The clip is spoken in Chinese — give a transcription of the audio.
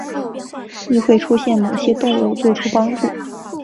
亦会出现某些动物作出帮助。